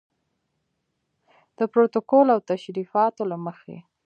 د پروتوکول او تشریفاتو له مخې.